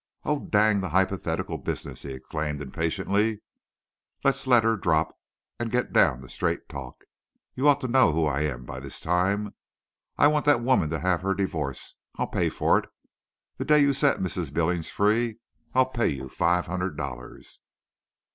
"Oh, dang the hypothetical business," he exclaimed, impatiently. "Let's let her drop, and get down to straight talk. You ought to know who I am by this time. I want that woman to have her divorce. I'll pay for it. The day you set Mrs. Billings free I'll pay you five hundred dollars."